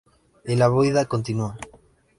Y la vida continua...